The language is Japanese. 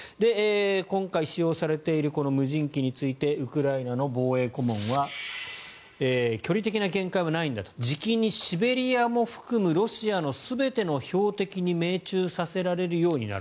今回、使用されている無人機についてウクライナの防衛顧問は距離的な限界はないんだとじきにシベリアも含むロシアの全ての標的に命中させられるようになる。